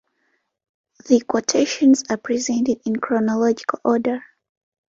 The quotations are presented in chronological order.